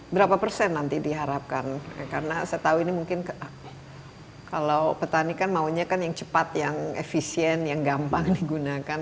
berapa persen nanti diharapkan karena saya tahu ini mungkin kalau petani kan maunya kan yang cepat yang efisien yang gampang digunakan